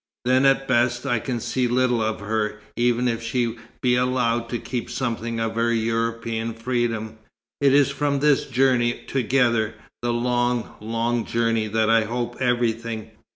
Then, at best, I can see little of her, even if she be allowed to keep something of her European freedom. It is from this journey together the long, long journey that I hope everything.